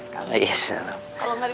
kalau gak kita peserah sekali